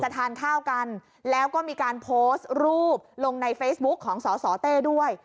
ทานข้าวกันแล้วก็มีการโพสต์รูปลงในเฟซบุ๊คของสสเต้ด้วย